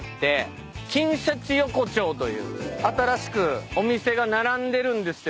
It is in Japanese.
金シャチ横丁という新しくお店が並んでるんですよ